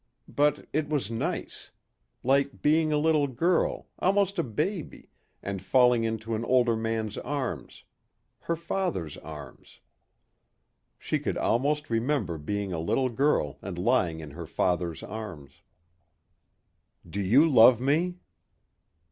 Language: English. But it was nice. Like being a little girl, almost a baby, and falling into an older man's arms her father's arms. She could almost remember being a little girl and lying in her father's arms. "Do you love me?"